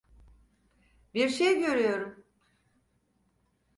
Bir şey görüyorum.